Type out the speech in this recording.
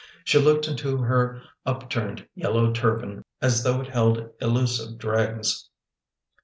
She looked into her lytui n ed, yellow turban as though it held elusive dregs.